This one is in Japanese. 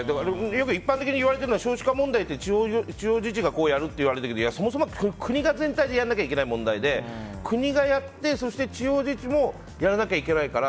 一般的に言われているのは少子化問題って地方自治がやるといわれてるけどそもそも国が全体でやらなきゃいけない問題で国がやって地方自治もやらないといけないから。